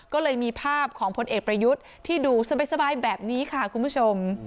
ก็เลยมีภาพของพลเอกประยุทธ์ที่ดูสบายแบบนี้ค่ะคุณผู้ชม